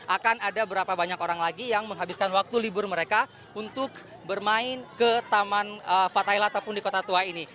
akan ada berapa banyak orang lagi yang menghabiskan waktu libur mereka untuk bermain ke taman fatahila ataupun di kota tua ini